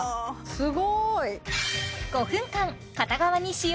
すごーい！